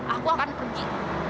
aku akan pergi